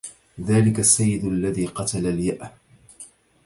ذلك السيدُ الذي قتل اليأ